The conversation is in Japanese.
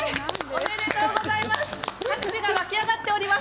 おめでとうございます。